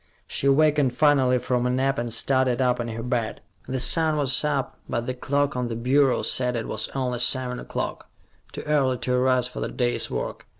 She awakened finally from a nap, and started up in her bed. The sun was up, but the clock on the bureau said it was only seven o'clock, too early to arise for the day's work.